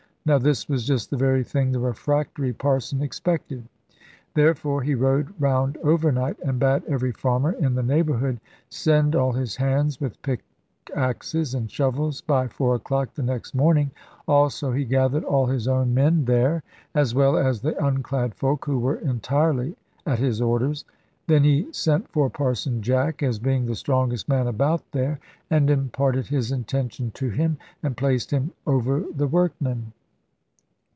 Now this was just the very thing the refractory Parson expected; therefore he rode round overnight and bade every farmer in the neighbourhood send all his hands with pickaxes and shovels, by four o'clock the next morning: also he gathered all his own men there, as well as the unclad folk who were entirely at his orders. Then he sent for Parson Jack, as being the strongest man about there, and imparted his intention to him, and placed him over the workmen.